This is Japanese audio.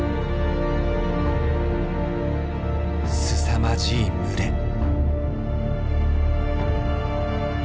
すさまじい群れ。